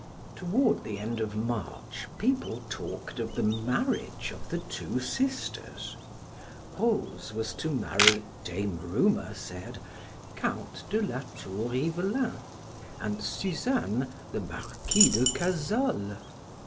Toward the end of March people talked of the marriage of the two sisters: Rose was to marry, Dame Rumor said, Count de Latour Ivelin and Suzanne, the Marquis de Cazolles.